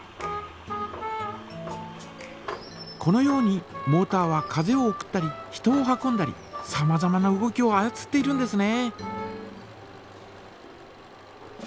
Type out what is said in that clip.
このようにモータは風を送ったり人を運んだりさまざまな動きをあやつっているんですね。